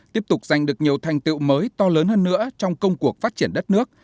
tiếp tục giành được nhiều thành tiệu mới to lớn hơn nữa trong công cuộc phát triển đất nước